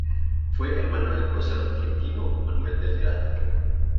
Fue hermano del prócer argentino Manuel Belgrano.